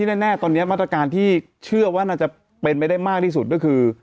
แน่ตอนนี้มาตรการที่เชื่อว่าน่าจะเป็นไปได้มากที่สุดก็คือ